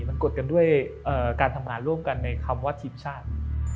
มันกดกันด้วยการทำงานร่วมกันในคำว่าทีมชาติ